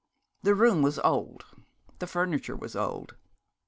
The room was old, the furniture old.